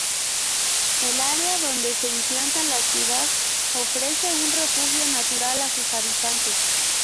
El área donde se implanta la ciudad ofrece un refugio natural a sus habitantes.